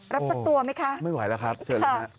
รับสัตว์ตัวไหมคะไม่ไหวแล้วครับเจอแล้วนะ